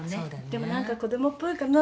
でも何か子供っぽいかな？